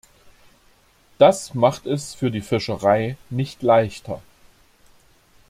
Das macht es für die Fischerei nicht leichter.